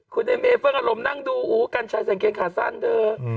คุณเอเม่เพิ่งอารมณ์นั่งดูอู๋กัญชัยสังเกตขาสั้นเธอ